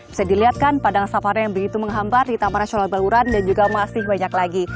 bisa dilihat kan padang safar yang begitu menghampar di taman rasional baluran dan juga masih banyak lagi